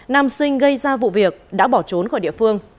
nam sinh gây ra vụ việc đã bỏ trốn khỏi địa phương